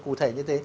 cụ thể như thế